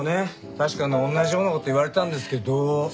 確かに同じような事言われたんですけど。